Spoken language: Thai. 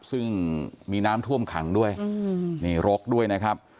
ซึ่งมีน้ำท่วมขังด้วยนี่รกด้วยนะครับ